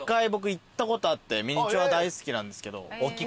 ミニチュア大好きなんですけど。